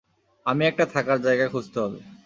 আমি একটা থাকার জায়গা খুঁজতে হবে।